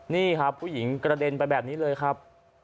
นี่ครับผู้หญิงกระเด็นไปแบบนี้เลยครับ